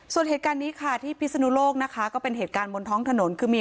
ส่วนเหตุการณ์นี้ค่ะที่พิศนุโลกนะคะก็เป็นเหตุการณ์บนท้องถนนคือมี